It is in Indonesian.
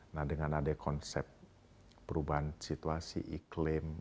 nah dengan ada konsep perubahan situasi iklim